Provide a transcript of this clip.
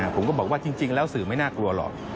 ผมก็บอกว่าจริงแล้วสื่อไม่น่ากลัวหรอก